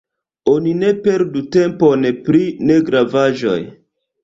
Oni ne perdu tempon pri negravaĵoj.